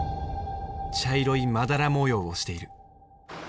茶色いまだら模様をしている。